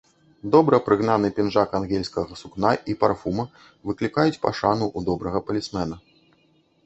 Добра прыгнаны пінжак ангельскага сукна і парфума выклікаюць пашану ў добрага палісмена.